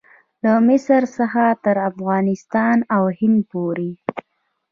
له مصر څخه تر افغانستان او هند پورې.